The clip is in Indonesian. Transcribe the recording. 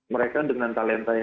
mereka dengan talentanya